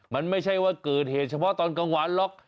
มันไม่ใช่ว่าเกิดเหตุเฉพาะตอนกลางวันหรอก